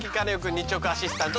日直アシスタント